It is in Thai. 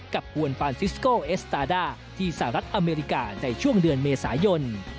กวนฟานซิสโกเอสตาด้าที่สหรัฐอเมริกาในช่วงเดือนเมษายน